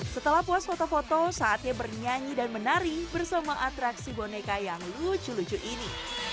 setelah puas foto foto saatnya bernyanyi dan menari bersama atraksi boneka yang lucu lucu ini